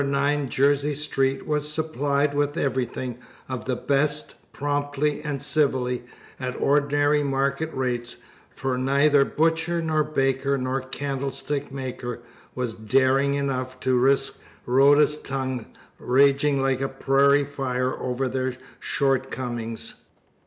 9 Jersey Street was supplied with everything of the best, promptly and civilly, at ordinary market rates; for neither butcher, nor baker, nor candlestick maker, was daring enough to risk Rhoda's tongue raging like a prairie fire over their shortcomings.